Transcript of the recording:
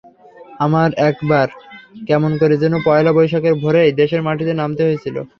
আমার একবার কেমন করে যেন পয়লা বৈশাখের ভোরেই দেশের মাটিতে নামতে হয়েছিল।